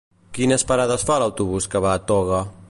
Quines parades fa l'autobús que va a Toga?